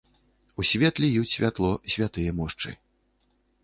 У свет ліюць святло святыя мошчы.